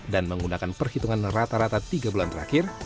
dan menggunakan perhitungan rata rata tiga bulan terakhir